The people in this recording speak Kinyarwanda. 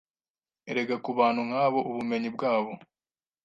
erega kubantu nkabo ubumenyi bwabo